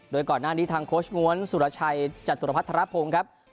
โดยก่อนหน้านี้ทางโค้ชง้วนสุรชัยจตุรพัฒนภงครับ